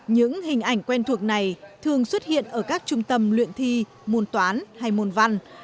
những hình ảnh quen thuộc này thường xuất hiện ở các trung tâm luyện thi môn toán hay môn văn